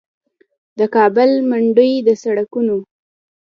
د کابل منډوي د سړکونو